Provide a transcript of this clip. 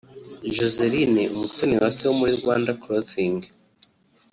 Joselyne Umutoniwase wo muri Rwanda Clothing